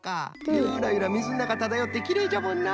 ユラユラみずのなかただよってきれいじゃもんな。